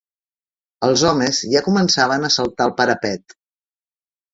Els homes ja començaven a saltar el parapet